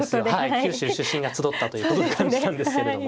九州出身が集ったという感じなんですけれども。